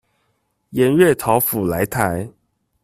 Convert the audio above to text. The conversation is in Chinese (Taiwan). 鹽月桃甫來台